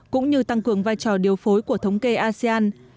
cũng như tăng cường vai trò điều phối của thống kê asean